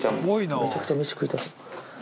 めちゃくちゃ飯食いたそう。